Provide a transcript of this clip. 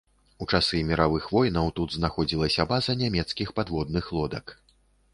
У часы міравых войнаў тут знаходзілася база нямецкіх падводных лодак.